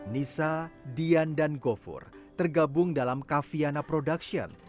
nisa dian dan gofur tergabung dalam kaviana production